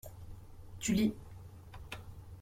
Tu lis.